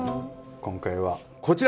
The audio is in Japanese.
今回はこちら！